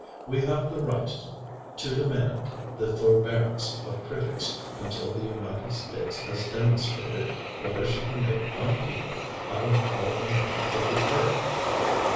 We have the right to demand the forbearance of critics until the United States has demonstrated whether she can make one people out of all the nations of the earth.